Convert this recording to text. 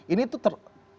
ini itu ter